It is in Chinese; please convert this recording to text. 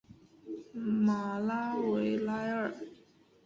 马拉维莱尔。